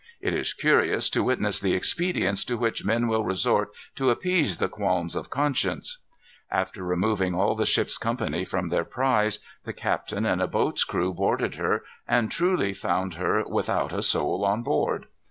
It is curious to witness the expedients to which men will resort to appease the qualms of conscience. After removing all the ship's company from their prize the captain and a boat's crew boarded her, and truly found her "without a soul on board."